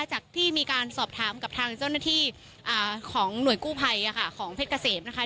จากที่มีการสอบถามกับทางเจ้าหน้าที่ของหน่วยกู้ภัยของเพชรเกษมนะคะ